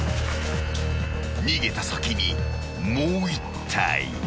［逃げた先にもう１体］